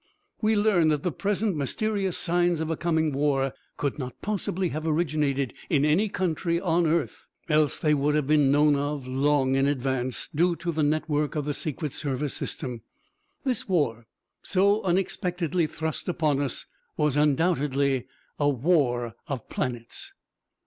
We learned that the present mysterious signs of a coming war could not possibly have originated in any country on earth, else they would have been known of long in advance, due to the network of the Secret Service system. This war, so unexpectedly thrust upon us, was undoubtedly a war of planets!